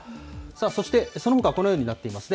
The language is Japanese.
そして、そのほかこのようになっていますね。